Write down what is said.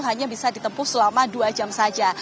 hanya bisa ditempuh selama dua jam saja